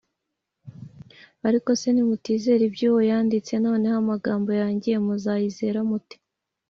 . Ariko se nimutizera ibyo uwo yanditse, noneho n’amagambo yanjye muzayizera mute ?